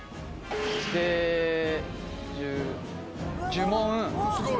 呪文。